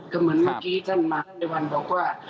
ก็เหมือนเมื่อกี้ท่านมาติวัลบอกว่า